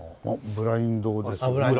ブラインドです。